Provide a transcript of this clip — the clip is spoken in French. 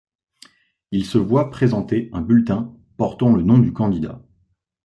Ils se voient présenter un bulletin portant le nom du candidat.